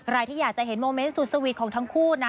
ใครที่อยากจะเห็นโมเมนต์สุดสวีทของทั้งคู่นะ